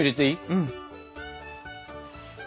うん。